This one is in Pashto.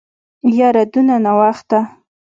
يره دونه ناوخته.